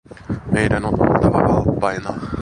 Meidän on oltava valppaina.